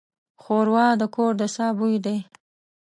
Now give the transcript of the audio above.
ښوروا د کور د ساه بوی دی.